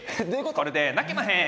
これで泣けまへん！